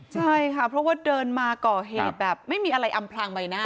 ใช่ค่ะเพราะว่าเดินมาก่อเหตุแบบไม่มีอะไรอำพลางใบหน้า